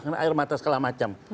karena air mata sekalipun